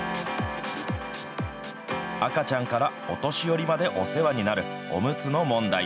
赤ちゃんからお年寄りまでお世話になるおむつの問題。